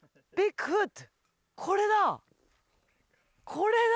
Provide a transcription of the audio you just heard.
これだ！